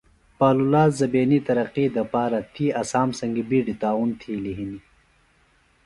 پالولا زبینی ترقی دپارہ تی اسام سنگیۡ بیڈیۡ تعاون تھیلیۡ ہِنیۡ